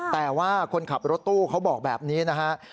แต่ว่าคนขับรถตู้เขาบอกแบบนี้นะฮะ